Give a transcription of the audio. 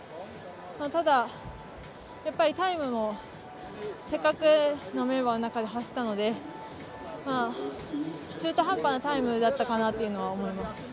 ただ、やっぱりタイムもせっかくのメンバーの中で走ったので中途半端なタイムだったのかなというのは思います。